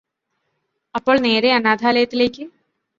അപ്പോൾ നേരെ അനാഥാലയത്തിലേക്ക്